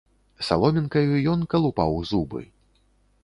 Саломінкаю ён калупаў зубы.